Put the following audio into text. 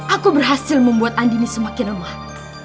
aku berhasil membuat andini semakin lemah